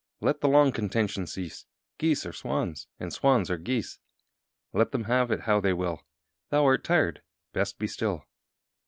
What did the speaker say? Let the long contention cease! Geese are swans, and swans are geese. Let them have it how they will! Thou art tired: best be still.